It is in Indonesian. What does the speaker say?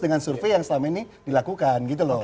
dengan survei yang selama ini dilakukan gitu loh